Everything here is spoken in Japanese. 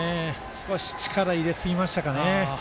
少し力を入れすぎましたかね。